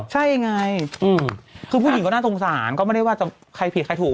ใช่ไงคือผู้หญิงก็น่าสงสารก็ไม่ได้ว่าใครผิดใครถูก